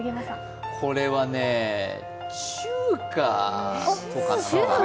これはね、中華とかなのかな。